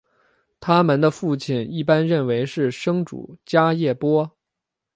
他们的父亲一般认为是生主迦叶波。